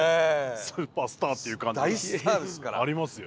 スーパースターっていう感じがありますよ。